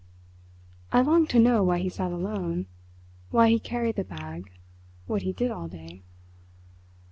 I longed to know why he sat alone, why he carried the bag, what he did all day.